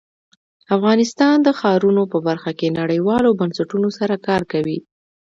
افغانستان د ښارونه په برخه کې نړیوالو بنسټونو سره کار کوي.